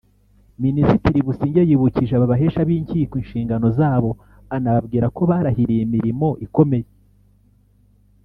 Minisitiri Businjye yibukije aba bahesha b’inkiko inshingano zabo anababwira ko barahiriye imirimo ikomeye